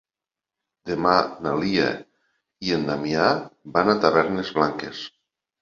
Demà na Lea i en Damià van a Tavernes Blanques.